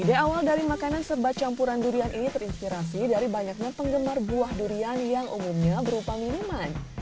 ide awal dari makanan serba campuran durian ini terinspirasi dari banyaknya penggemar buah durian yang umumnya berupa minuman